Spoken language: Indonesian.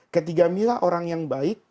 ketiga mila orang yang baik